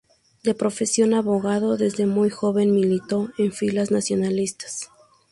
De profesión abogado, desde muy joven militó en filas nacionalistas.